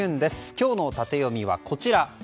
今日のタテヨミは、こちら。